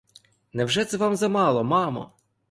Невже це вам замало, мамо?